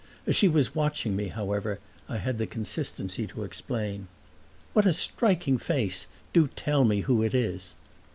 As she was watching me however I had the consistency to exclaim, "What a striking face! Do tell me who it is."